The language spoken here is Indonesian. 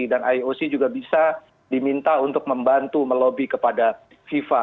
dan ioc juga bisa diminta untuk membantu melobby kepada fifa